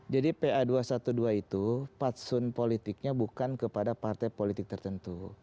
jadi pa dua ratus dua belas itu patsun politiknya bukan kepada partai politik tertentu